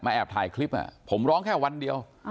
แอบถ่ายคลิปผมร้องแค่วันเดียว